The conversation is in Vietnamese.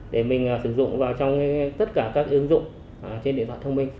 để mình sử dụng vào trong tất cả các ứng dụng trên điện thoại thông minh